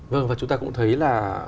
vâng và chúng ta cũng thấy là